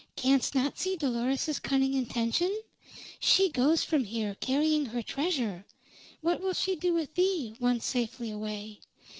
Canst not see Dolores's cunning intention? She goes from here, carrying her treasure; what will she do with thee, once safely away?